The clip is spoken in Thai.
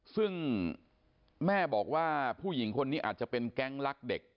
ซึ่งแม่บอกว่าผู้หญิงคนนี้อาจจะเป็นแก๊งรักเด็ก